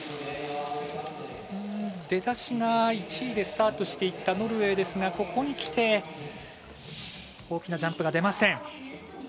出だしが１位でスタートしていったノルウェーですが、ここにきて大きなジャンプが出ません。